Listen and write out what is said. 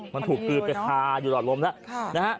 มันถูกอืดไปทาอยู่หลอดลมแล้ว